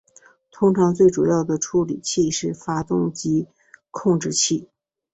通常最主要的处理器是发动机控制器。